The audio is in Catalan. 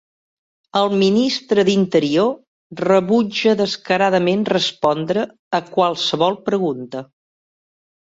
El ministre d'Interior rebutja descaradament respondre a qualsevol pregunta.